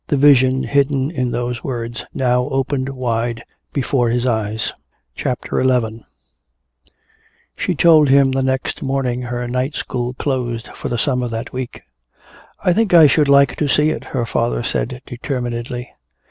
The vision hidden in those words now opened wide before his eyes. CHAPTER XI She told him the next morning her night school closed for the summer that week. "I think I should like to see it," her father said determinedly.